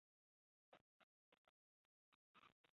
不具任何经济价值。